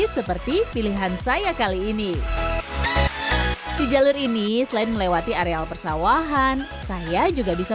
seperti pilihan saya kali ini di jalur ini selain melewati areal persawahan saya juga bisa